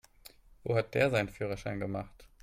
Wo hat der seinen Führerschein gemacht?